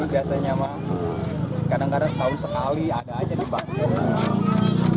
biasanya kadang kadang setahun sekali ada aja di banjir